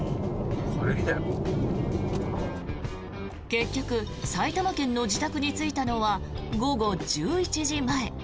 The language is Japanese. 結局埼玉県の自宅に着いたのは午後１１時前。